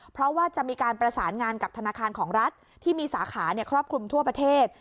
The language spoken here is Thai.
เพราะว่าจะมีการประสานงานกับธนาคารของรัฐที่มีสาขาครอบคลุมทั่วประเทศ